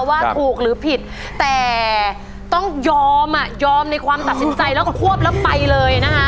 ว่าถูกหรือผิดแต่ต้องยอมอ่ะยอมในความตัดสินใจแล้วก็ควบแล้วไปเลยนะคะ